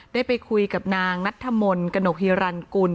ได้ไปคุยกับนางนัฐมนต์กนกฮิรันต์กุล